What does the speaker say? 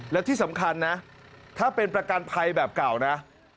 และที่สำคัญนะถ้าเป็นประกันภัยแบบเก่านะ